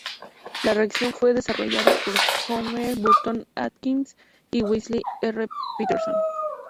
La reacción fue desarrollada por Homer Burton Adkins y Wesley R. Peterson.